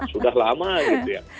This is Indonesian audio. sudah lama gitu ya